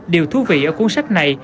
điều thú vị ở cuốn sách này